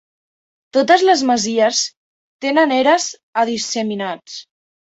Totes les masies tenen eres a disseminats.